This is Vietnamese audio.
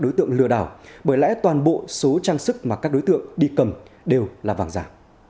đối tượng lừa đảo bởi lẽ toàn bộ số trang sức mà các đối tượng đi cầm đều là vàng giả